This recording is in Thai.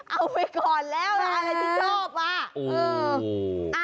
เอาไปก่อนแล้วล่ะอะไรที่ชอบอ่ะ